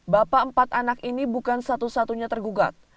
bapak empat anak ini bukan satu satunya tergugat